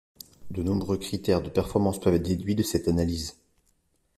De nombreux critères de performance peuvent être déduits de cette analyse.